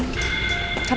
emang aku gak boleh ya